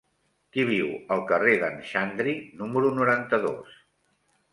Qui viu al carrer d'en Xandri número noranta-dos?